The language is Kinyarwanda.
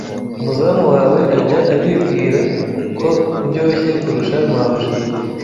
umuzamu wawe ajya abimbwira ko ndyoshye kurusha mabuja."